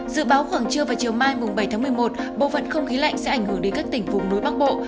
dự báo khoảng trưa và chiều mai bảy tháng một mươi một bộ phận không khí lạnh sẽ ảnh hưởng đến các tỉnh vùng núi bắc bộ